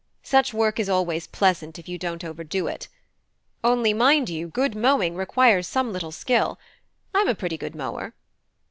Such work is always pleasant if you don't overdo it. Only, mind you, good mowing requires some little skill. I'm a pretty good mower."